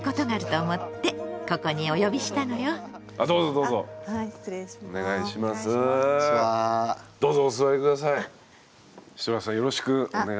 どうぞお座り下さい。